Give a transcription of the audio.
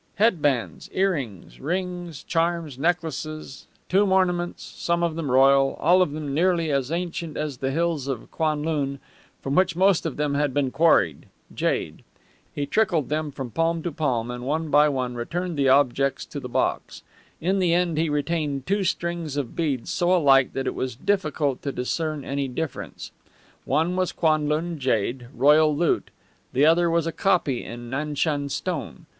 Headbands, earrings, rings, charms, necklaces, tomb ornaments, some of them royal, all of them nearly as ancient as the hills of Kwanlun, from which most of them had been quarried jade. He trickled them from palm to palm and one by one returned the objects to the box. In the end he retained two strings of beads so alike that it was difficult to discern any difference. One was Kwanlun jade, royal loot; the other was a copy in Nanshan stone.